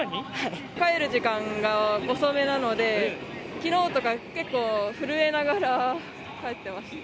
帰る時間が遅めなので、きのうとか、結構、震えながら帰っていました。